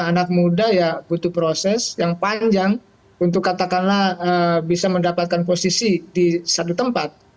anak muda ya butuh proses yang panjang untuk katakanlah bisa mendapatkan posisi di satu tempat